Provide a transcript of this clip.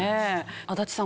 足立さん